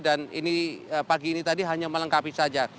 dan ini pagi ini tadi hanya melengkapi saja